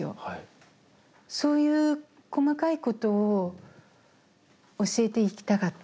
そういう細かいことを教えていきたかった。